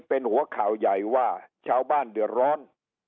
เป็นหัวข่าวใหญ่ว่าชาวบ้านเดือดร้อน